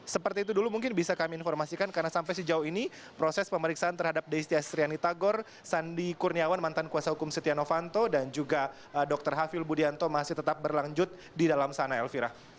seperti itu dulu mungkin bisa kami informasikan karena sampai sejauh ini proses pemeriksaan terhadap deisti astriani tagor sandi kurniawan mantan kuasa hukum setia novanto dan juga dr hafil budianto masih tetap berlanjut di dalam sana elvira